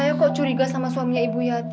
saya kok curiga sama suami ibu yati